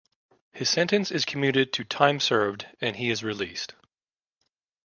His sentence is commuted to time served, and he is released.